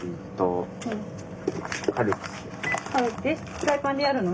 フライパンでやるの？